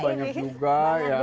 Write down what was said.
banyak juga ya